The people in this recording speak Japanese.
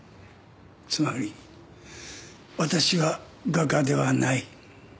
つまり私は画家ではない。